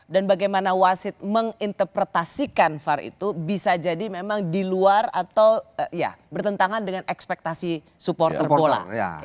dan bagaimana wasit menginterpretasikan var itu bisa jadi memang diluar atau ya bertentangan dengan ekspektasi supporter bola